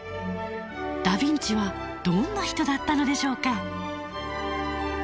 ダ・ヴィンチはどんな人だったのでしょうか。